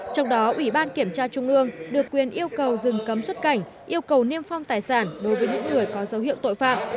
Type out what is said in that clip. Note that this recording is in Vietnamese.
trong đó ủy ban kiểm tra trung ương được quyền yêu cầu dừng cấm xuất cảnh yêu cầu niêm phong tài sản đối với những người có dấu hiệu tội phạm